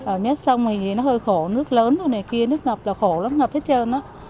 ở miếng xong thì nó hơi khổ nước lớn rồi này kia nước ngập là khổ lắm ngập hết trơn đó